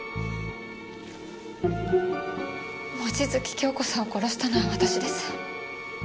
望月京子さんを殺したのは私です。